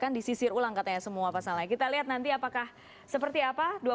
akan disisir ulang katanya semua pasalnya kita lihat nanti apakah seperti apa